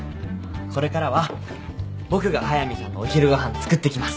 これからは僕が速見さんのお昼ご飯作ってきます。